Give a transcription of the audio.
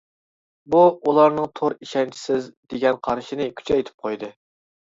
بۇ ئۇلارنىڭ «تور ئىشەنچىسىز» دېگەن قارىشىنى كۈچەيتىپ قويدى.